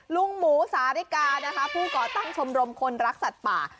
ลุงหมูสาริกานะคะผู้ก่อตั้งชมรมคนรักสัตว์ป่า